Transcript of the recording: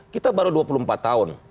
kita baru dua puluh empat tahun